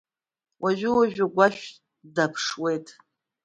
Уажәы-уажәы агәашә даԥшуеит.